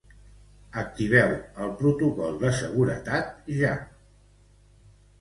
Activeu el protocol de seguretat ja.